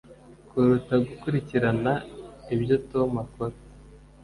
kuruta gukurikirana ibyo Tom akora